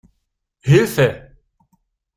Hilfe!